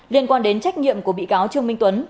liên quan đến trách nhiệm của bị cáo trương minh tuấn